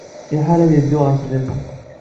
Iḥar ad yeddu ɣer wesbiṭar.